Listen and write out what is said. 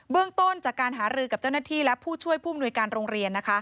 เรื่องต้นจากการหารือกับเจ้าหน้าที่และผู้ช่วยผู้มนุยการโรงเรียน